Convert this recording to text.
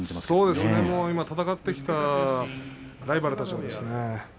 そうですね戦ってきたライバルたちですね。